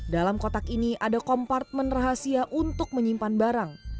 dalam kotak ini ada kompartmen rahasia untuk menyimpan barang